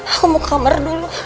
aku mau kamar dulu